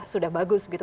sudah bagus gitu